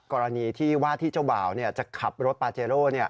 กรณีที่ว่าที่เจ้าบ่าวจะขับรถปาเจโร่